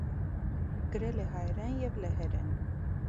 Գրել է հայերեն և լեհերեն։